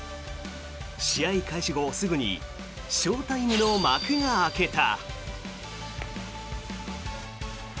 試合開始後すぐにショータイムの幕が開けた。